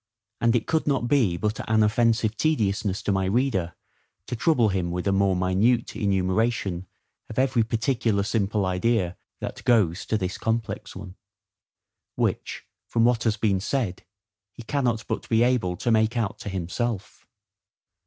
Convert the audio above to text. And it could not be but an offensive tediousness to my reader, to trouble him with a more minute enumeration of every particular simple idea that goes to this complex one; which, from what has been said, he cannot but be able to make out to himself.